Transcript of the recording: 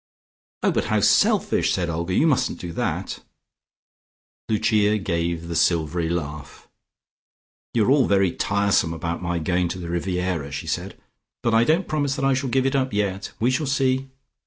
"Oh, but how selfish!" said Olga. "You mustn't do that." Lucia gave the silvery laugh. "You are all very tiresome about my going to the Riviera," she said. "But I don't promise that I shall give it up yet. We shall see!